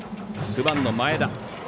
９番の前田。